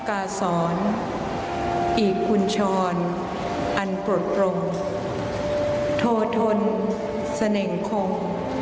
อันตรีเหนืออาร์นอันปรดปรมโทธนเสน่งคง